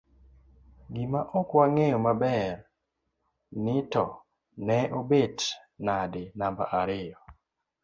gimane ok wang'eyo maber ni to ne obet nadi namba ariyo